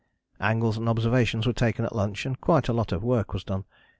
] "Angles and observations were taken at lunch, and quite a lot of work was done.